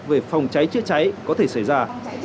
về phòng cháy chữa cháy có thể xảy ra